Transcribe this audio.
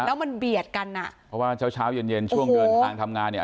แล้วมันเบียดกันอ่ะเพราะว่าเช้าเช้าเย็นเย็นช่วงเดินทางทำงานเนี่ย